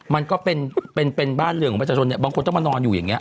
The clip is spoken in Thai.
มันก็เป็นเป็นบ้านเรืองของประชาชนเนี่ยบางคนต้องมานอนอยู่อย่างนี้